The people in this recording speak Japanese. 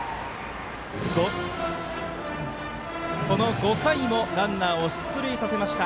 この５回もランナーを出塁させました。